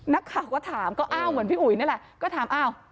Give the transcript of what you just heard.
นักข่าวก็ถามก็อ้าวเหมือนพี่อุ๋ยนี่แหละก็ถามอ้าว